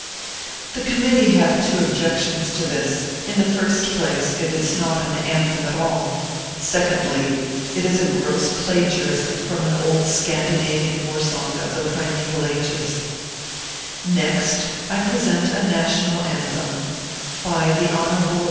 The committee have two objections to this : in the first place, it is not an "anthem" at all ; secondly, it is a gross plagiarism from an old Scandinavian war song of the primeval ages. ORPHEUS C. KERR PAPERS. 57 Next, I present a NATIONAL ANTHEM. BY THE HON.